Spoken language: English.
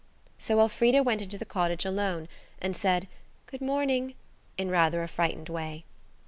So Elfrida went into the cottage alone, and said "Good morning" in rather a frightened way.